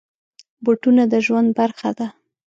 بوټونه د ژوند برخه ده.